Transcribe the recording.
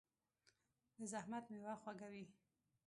د زحمت میوه خوږه وي.